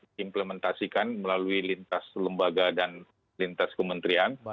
diimplementasikan melalui lintas lembaga dan lintas kementerian